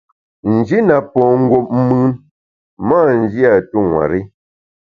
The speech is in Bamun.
N’ji na po ngup mùn, m’a nji a tu nwer-i.